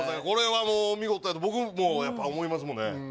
これはもう見事や僕もやっぱ思いますもんね